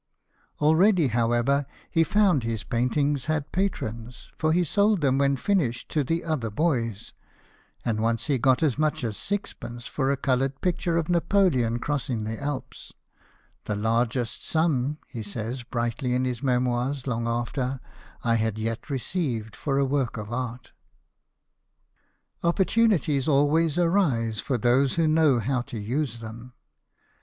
Already, how ever, he found his paintings had patrons, for he sold them when finished to the other boys ; and once he got as much as sixpence for a coloured picture of Napoleon crossing the Alps " the largest sum," he says brightly in his memoirs long after, " I had yet received for a work of art." Opportunities always arise for those who JOHN GIBSON, SCULPTOR. 65 know how to use them.